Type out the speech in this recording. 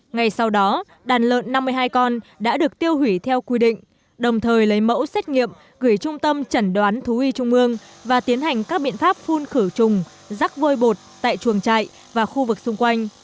ngay sau đó đàn lợn năm mươi hai con đã được tiêu hủy theo quy định đồng thời lấy mẫu xét nghiệm gửi trung tâm chẩn đoán thú y trung ương và tiến hành các biện pháp phun khử trùng rắc vôi bột tại chuồng trại và khu vực xung quanh